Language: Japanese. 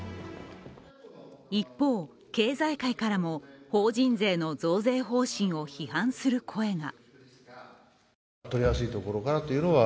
一方、経済界からも法人税の増税方針を批判する声が。